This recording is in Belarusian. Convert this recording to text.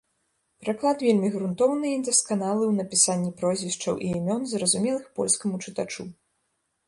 Пераклад вельмі грунтоўны і дасканалы ў напісанні прозвішчаў і імён зразумелых польскаму чытачу.